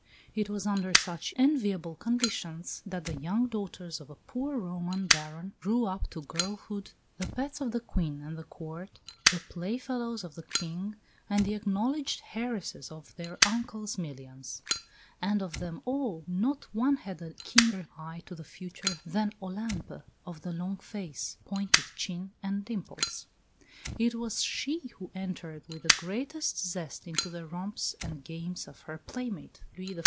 It was under such enviable conditions that the young daughters of a poor Roman baron grew up to girlhood the pets of the Queen and the Court, the playfellows of the King, and the acknowledged heiresses of their uncle's millions; and of them all, not one had a keener eye to the future than Olympe of the long face, pointed chin, and dimples. It was she who entered with the greatest zest into the romps and games of her playmate, Louis XIV.